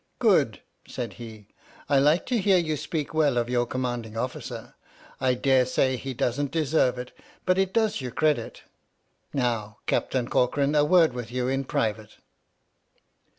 " Good," said he, " I like to hear you speak well of your commanding officer. I dare say he doesn't deserve it, but it does you credit. Now, Captain Corcoran, a word with you in private."